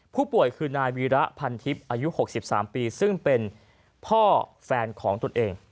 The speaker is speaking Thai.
ผู้ป่วยคือนายวีระพันทิพย์อายุ๖๓ปีซึ่งเป็นพ่อแฟนของตนเอง